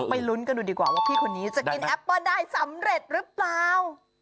ลุ้นกันดูดีกว่าว่าพี่คนนี้จะกินแอปเปิ้ลได้สำเร็จหรือเปล่า